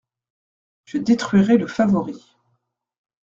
Je détruirai le favori.